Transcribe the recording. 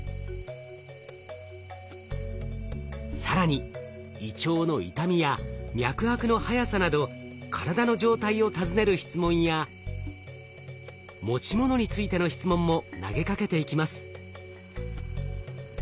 更に胃腸の痛みや脈拍の速さなど体の状態を尋ねる質問や持ち物についての質問も投げかけていきます。